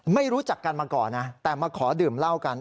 รู้จักกันมาก่อนนะแต่มาขอดื่มเหล้ากัน